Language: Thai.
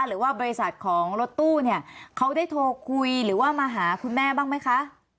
หรือว่าบริษัทของรถตู้เนี่ยเขาได้โทรคุยหรือว่ามาหาคุณแม่บ้างไหมคะ